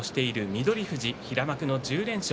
翠富士平幕で１０連勝。